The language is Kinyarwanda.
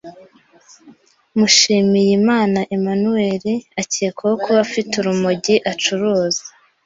Mushimiyimana Emmanuel akekwaho kuba afite urumogi acuruza